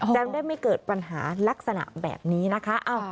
จะได้ไม่เกิดปัญหาลักษณะแบบนี้นะคะ